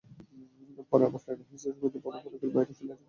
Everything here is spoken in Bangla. পরে আবার টেনেহিঁচড়ে সমিতির প্রধান ফটকের বাইরে ফেলে রেখে আসেন তাঁরা।